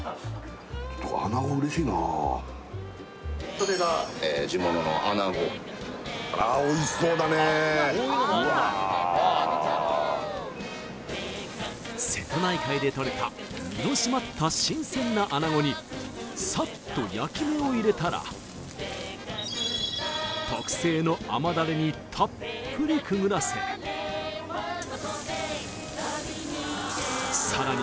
それが地物の穴子おいしそうだねうわ瀬戸内海でとれた身の締まった新鮮な穴子にさっと焼き目を入れたらにたっぷりくぐらせさらに